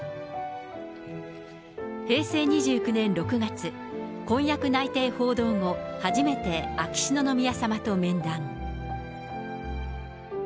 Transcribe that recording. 平成２９年６月、婚約内定報道後、初めて秋篠宮さまと面談。